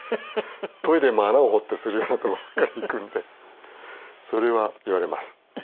トイレも穴を掘ってするような所ばっかり行くんでそれは言われます